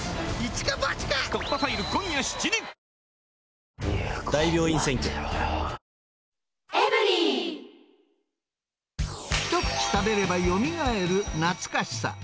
ＳＵＮＴＯＲＹ一口食べればよみがえる懐かしさ。